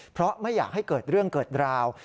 เพราะไม่อยากให้เกิดเรื่องเกิดราว